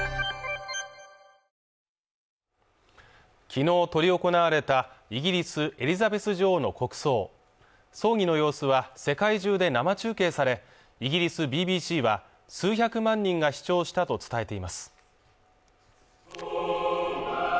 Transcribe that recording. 昨日執り行われたイギリス・エリザベス女王の国葬葬儀の様子は世界中で生中継されイギリスＢＢＣは数百万人が視聴したと伝えています